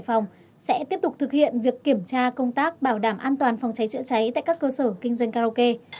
trong đó giả soát đánh giá thực trạng đáp ứng yêu cầu phòng cháy chữa cháy của các cơ sở kinh doanh karaoke